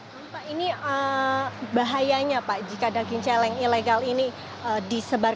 pak ini bahayanya pak jika daging celeng ilegal ini disebarkan